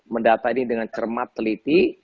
mendata ini dengan cermat teliti